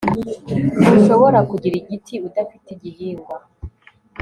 ntushobora kugira igiti udafite igihingwa